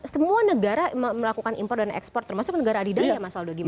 semua negara melakukan impor dan ekspor termasuk negara adidang ya mas faldo gimana